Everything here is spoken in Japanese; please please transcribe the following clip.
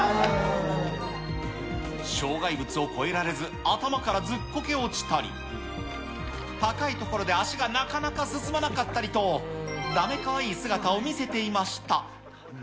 障害物を越えられず、頭からずっこけ落ちたり、高い所で足がなかなか進まなかったりと、ダメかわいい姿を見せていました。